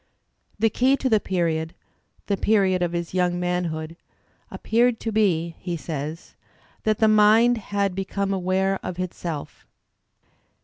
"The key to the period" — the period of his young man hood — "appeared to be," he says, "that the mind had be come aware of itself."